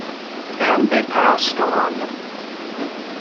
And they passed on.